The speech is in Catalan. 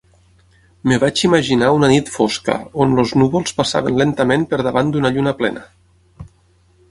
Em vaig imaginar una nit fosca on els núvols passaven lentament per davant d'una lluna plena.